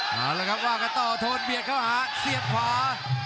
เอาละครับว่ากันต่อโทนเบียดเข้าหาเสียบขวา